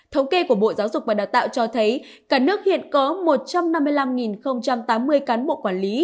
thống kê của bộ giáo dục và đào tạo cho thấy cả nước hiện có một trăm năm mươi năm tám mươi cán bộ quản lý